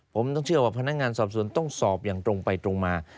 ผมต้องเชื่อว่าพนักงานสอบสวนต้องสอบอย่างตรงไปตรงมา